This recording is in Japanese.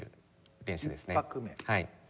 はい。